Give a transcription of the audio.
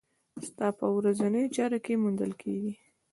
ستا په ورځنيو چارو کې موندل کېږي.